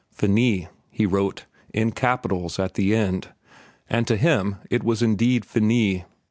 "Finis," he wrote, in capitals, at the end, and to him it was indeed finis.